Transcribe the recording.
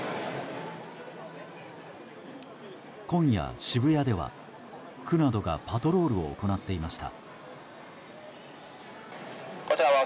今夜、渋谷では区などがパトロールを行っていました。